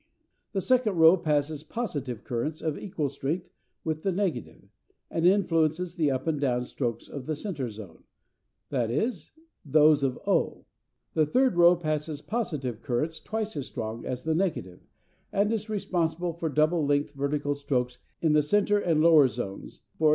The second row passes positive currents of equal strength with the negative, and influences the up and down strokes of the centre zone, e.g. those of o; the third row passes positive currents twice as strong as the negative, and is responsible for double length vertical strokes in the centre and lower zones, _e.